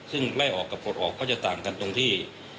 ซึ่งไม่ออกกับกฎออกก็จะต่างกันตรงที่